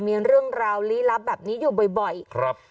มีเรื่องราวลี้ลับแบบนี้อยู่บ่อยครับ